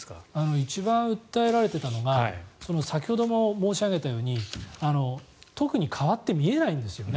一番訴えられていたのが先ほども申し上げたように特に変わって見えないんですよね。